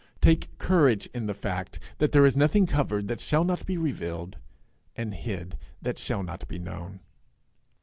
Take courage in the fact that there is nothing covered, that shall not be revealed; and hid, that shall not be known.